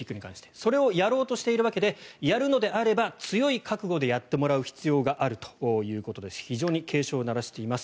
それをやろうとしているわけでやるのなら強い覚悟でやってもらう必要があると非常に警鐘を鳴らしています。